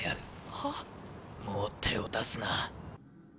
もう手を出すな。